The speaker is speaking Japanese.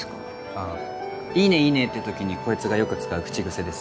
ああ「いいねいいね」って時にこいつがよく使う口癖です。